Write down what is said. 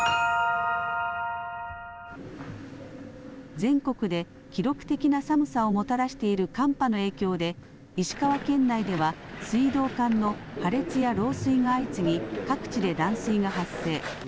全国で記録的な寒さをもたらしている寒波の影響で、石川県内では、水道管の破裂や漏水が相次ぎ、各地で断水が発生。